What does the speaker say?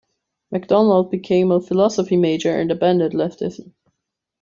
MacDonald became a philosophy major and abandoned leftism.